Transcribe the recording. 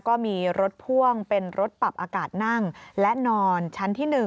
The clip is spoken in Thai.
ก็มีรถพ่วงเป็นรถปรับอากาศนั่งและนอนชั้นที่๑